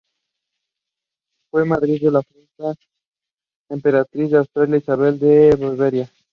Fue madrina de la futura emperatriz de Austria Isabel de Baviera.